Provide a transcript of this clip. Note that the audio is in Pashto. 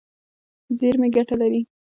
زیرمې ګټه لري.